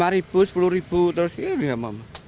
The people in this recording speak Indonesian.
rp lima rp sepuluh terus ini ya mam